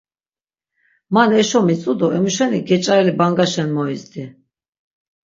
Man eşo mitzu do emu şeni geç̆areli bangaşen moyizdi.